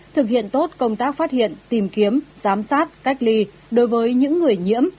thực hiện tốt công tác phát hiện tìm kiếm giám sát cách ly đối với những người nhiễm